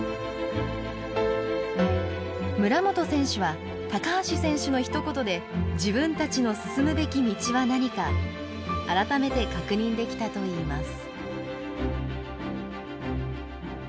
村元選手は高橋選手のひと言で自分たちの進むべき道は何か改めて確認できたと言います。